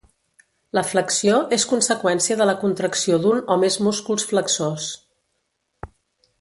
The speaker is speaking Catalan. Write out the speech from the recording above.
La flexió és conseqüència de la contracció d'un o més músculs flexors.